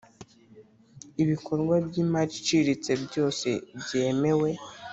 Ibikorwa by’ imari iciriritse byose byemewe